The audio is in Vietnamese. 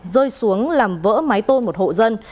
rơi xuống làm vỡ máy tô một hộ dân